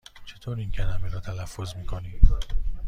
چطور این کلمه را تلفظ می کنی؟